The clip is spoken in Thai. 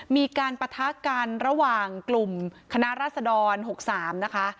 ปะทะกันระหว่างกลุ่มคณะรัศดร๖๓นะคะ